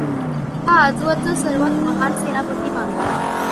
हा आजवरचा सर्वांत महान सेनापती मानतात.